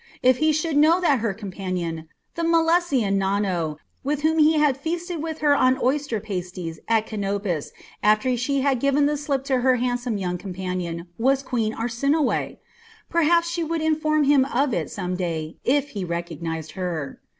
If he should know that her companion, the Milesian Nanno, whom he had feasted with her on oyster pasties at Canopus after she had given the slip to her handsome young companion was Queen Arsinoe! Perhaps she would inform him of it some day if he recognised her.